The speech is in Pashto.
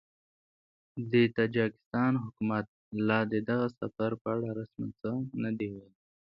د تاجکستان حکومت لا د دغه سفر په اړه رسماً څه نه دي ویلي